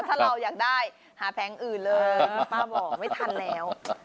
ถ้าเราอยากได้หาแผงอื่นเลยป้าบอกไม่ทันแล้ว